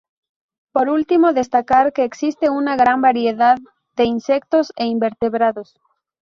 Por último destacar que existe una gran variedad de insectos e invertebrados.